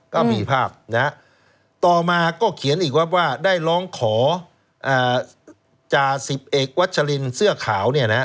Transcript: ก็มีภาพต่อมาก็เขียนอีกครับว่าได้ร้องขอจ่าสิบเอกวัชลินเสื้อขาว